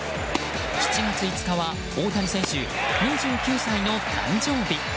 ７月５日は大谷選手２９歳の誕生日。